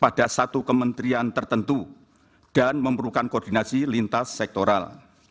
pada satu kementerian tertentu dan memerlukan koordinasi lintas sektoral